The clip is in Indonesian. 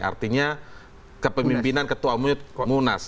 artinya kepemimpinan ketua munas